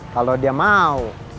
kalau dia mau